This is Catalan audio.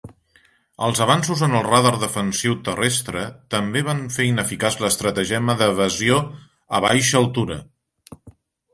Els avanços en el radar defensiu terrestre també van fer ineficaç l'estratagema d'evasió a baixa altura.